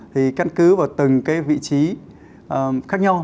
thì căn cứ vào từng cái vị trí khác nhau